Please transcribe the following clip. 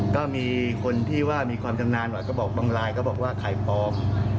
ก็มีคนที่ว่ามีความจำนานบางลายก็บอกว่าไข่ปลอม